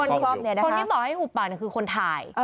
คนที่บอกให้อุบปากคือคนถ่าย